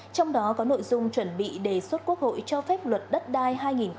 trong đó có nội dung chuẩn bị đề xuất quốc hội cho phép luật đất đai hai nghìn hai mươi bốn